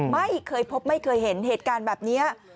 ไม่เคยพบไม่เคยเห็นเหตุการณ์แบบนี้